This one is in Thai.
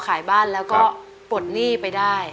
ขายบ้านแล้วก็ปลดหนี้ไปได้